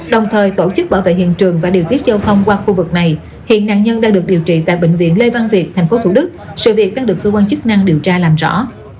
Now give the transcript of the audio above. đồng thời tổ chức bảo vệ hiện trường và điều tiết giao thông qua khu vực này hiện nạn nhân đang được điều trị tại bệnh viện lê văn việt tp thủ đức sự việc đang được cơ quan chức năng điều tra làm rõ